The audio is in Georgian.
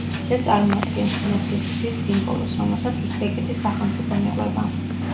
მზე წარმოადგენს სინათლის გზის სიმბოლოს, რომელსაც უზბეკეთის სახელმწიფო მიყვება.